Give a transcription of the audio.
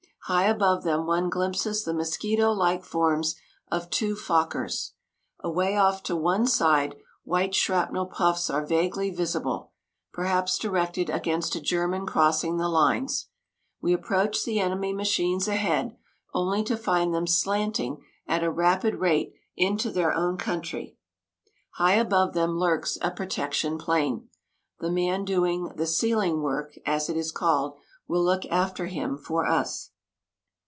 High above them one glimpses the mosquito like forms of two Fokkers. Away off to one side white shrapnel puffs are vaguely visible, perhaps directed against a German crossing the lines. We approach the enemy machines ahead, only to find them slanting at a rapid rate into their own country. High above them lurks a protection plane. The man doing the "ceiling work," as it is called, will look after him for us.